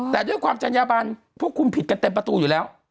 แต่ด้วยความจัญญาบันพวกคุณผิดกันเต็มประตูอยู่แล้ว